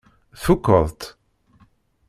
Tfukkeḍ-t?